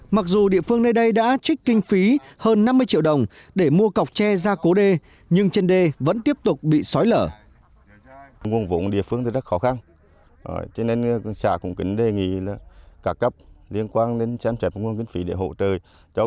mặc dù địa phương nơi đây đã trích kinh phí hơn năm mươi triệu đồng để mua cọc tre ra cố đê nhưng trên đê vẫn tiếp tục bị sói lở